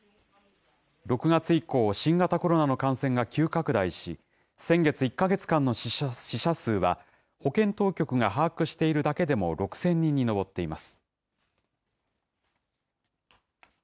６月以降、新型コロナの感染が急拡大し、先月１か月間の死者数は、保健当局が把握しているだけでも６０００人に上っています。